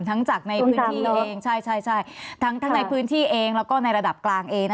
ทั้งในพื้นที่เองแล้วก็ในระดับกลางเอง